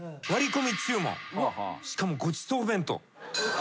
しかもごちそう弁当。